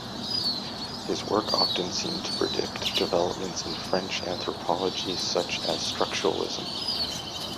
His work often seemed to predict developments in French anthropology, such as structuralism.